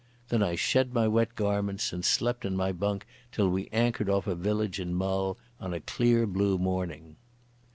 Then I shed my wet garments, and slept in my bunk till we anchored off a village in Mull in a clear blue morning.